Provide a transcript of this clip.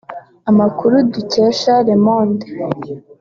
Amakuru dukesha “Le Monde”